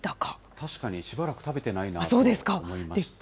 確かにしばらく食べてないなと思いました。